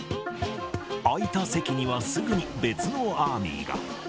空いた席にはすぐに別のアーミーが。